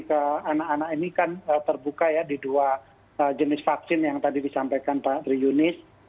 ke anak anak ini kan terbuka ya di dua jenis vaksin yang tadi disampaikan pak tri yunis